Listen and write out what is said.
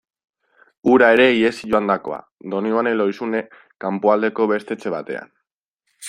Hura ere ihesi joandakoa, Donibane Lohizune kanpoaldeko beste etxe batean...